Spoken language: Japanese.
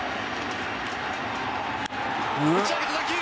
打ち上げた打球！